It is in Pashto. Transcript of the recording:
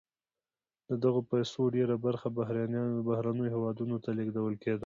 د دغه پیسو ډیره برخه بهرنیو هېوادونو ته لیږدول کیږي.